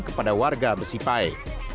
kepada warga besipai